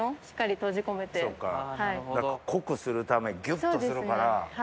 そうか濃くするためギュっとするから。